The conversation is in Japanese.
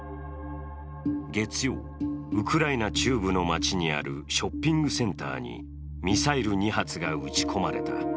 月曜、ウクライナ中部の街にあるショッピングセンターにミサイル２発が撃ち込まれた。